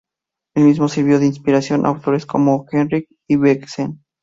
Él mismo sirvió de inspiración a autores como Henrik Ibsen.